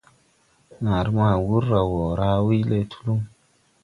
Naaré ma ni wur raw wo raa wuyle Tulum.